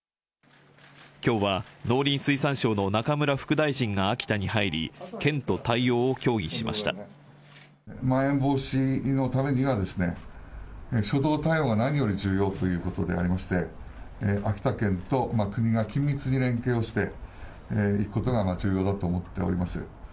きょうは農林水産省の中村副大臣が秋田に入り、まん延防止のためには、初動対応が何より重要ということでありまして、秋田県と国が緊密に連携をしていくことが重要だと思っております。